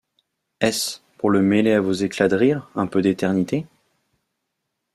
Est-ce, pour le mêler à vos éclats de rire, Un peu d’éternité?